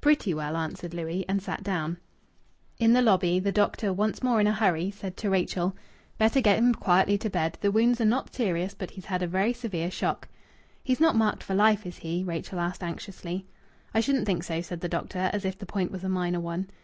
"Pretty well," answered Louis, and sat down. In the lobby the doctor, once more in a hurry, said to Rachel "Better get him quietly to bed. The wounds are not serious, but he's had a very severe shock." "He's not marked for life, is he?" Rachel asked anxiously. "I shouldn't think so," said the doctor, as if the point was a minor one.